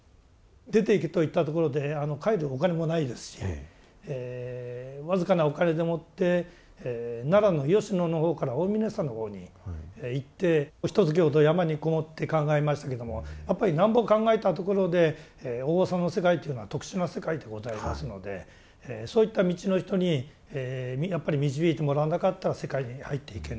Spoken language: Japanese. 出て行けといったところで帰るお金もないですし僅かなお金でもって奈良の吉野のほうから大峰山のほうに行ってひとつきほど山に籠もって考えましたけどもやっぱりなんぼ考えたところでお坊さんの世界というのは特殊な世界でございますのでそういった道の人にやっぱり導いてもらわなかったら世界に入っていけない。